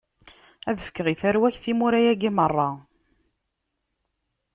Ad fkeɣ i tarwa-k timura-agi meṛṛa.